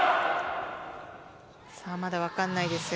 まだ分かんないですよ。